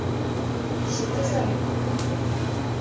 Чытыза!